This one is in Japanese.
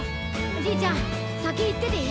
じいちゃんさきいってていい？